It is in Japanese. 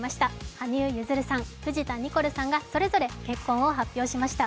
羽生結弦さん、藤田ニコルさんがそれぞれ結婚を発表しました。